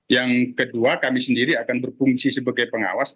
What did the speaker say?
yang kedua kami sendiri akan berfungsi sebagai pengawas